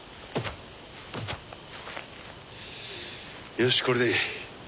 よしこれでいい。